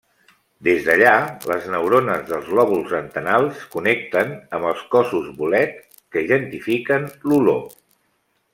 Des d'allà, les neurones dels lòbuls antenals connecten amb els cossos bolet que identifiquen l'olor.